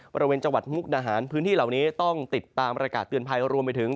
บริเวณจังหวัดมุกดาหารพื้นที่เหล่านี้ต้องติดตามประกาศเตือนภัยรวมไปถึง